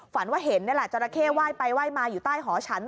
ฝันว่าเห็นนี่แหละจราเข้ไหว้ไปไหว้มาอยู่ใต้หอฉัน